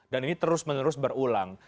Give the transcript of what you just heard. ini terus menerus berulang